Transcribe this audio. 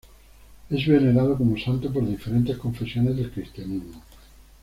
Es venerado como santo por diferentes confesiones del cristianismo.